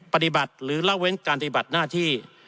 ปฏิบัติหรือละเว้นการปฏิบัติหน้าที่